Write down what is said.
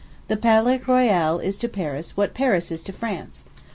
The Palais Royal is to Paris what Paris is to France.